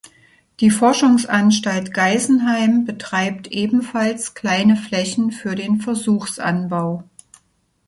Die Forschungsanstalt Geisenheim betreibt ebenfalls kleine Flächen für den Versuchsanbau.